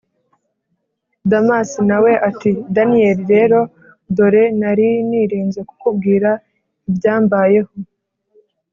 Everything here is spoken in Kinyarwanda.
damas nawe ati: daniel rero, dore nari nirinze kukubwira ibyambayeho,